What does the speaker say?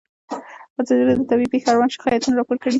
ازادي راډیو د طبیعي پېښې اړوند شکایتونه راپور کړي.